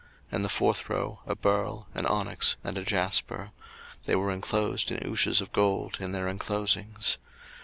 02:039:013 And the fourth row, a beryl, an onyx, and a jasper: they were inclosed in ouches of gold in their inclosings.